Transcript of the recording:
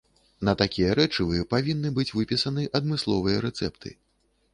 На такія рэчывы павінны быць выпісаны адмысловыя рэцэпты.